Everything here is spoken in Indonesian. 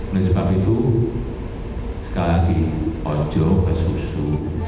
oleh sebab itu sekali lagi ojo ke susu